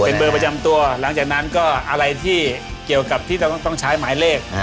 เป็นเบอร์ประจำตัวหลังจากนั้นก็อะไรที่เกี่ยวกับที่เราต้องใช้หมายเลข